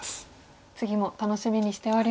次も楽しみにしております。